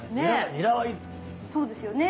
そうですよね。